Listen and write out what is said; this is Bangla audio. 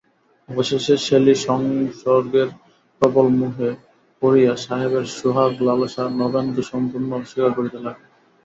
অবশেষে শ্যালীসংসর্গের প্রবল মোহে পড়িয়া সাহেবের সোহাগলালসা নবেন্দু সম্পূর্ণ অস্বীকার করিতে লাগিল।